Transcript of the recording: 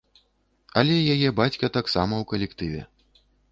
Але яе бацька таксама ў калектыве.